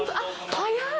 早い！